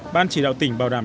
ban chỉ đạo tỉnh bảo đảm